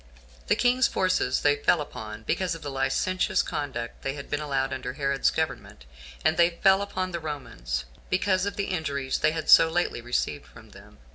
The king's forces they fell upon, because of the licentious conduct they had been allowed under Herod's government; and they fell upon the Romans, because of the injuries they had so lately received from them.